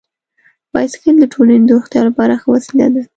بایسکل د ټولنې د روغتیا لپاره ښه وسیله ده.